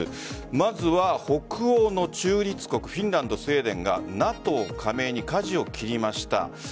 まずは北欧の中立国フィンランド、スウェーデンがＮＡＴＯ加盟に舵を切りました。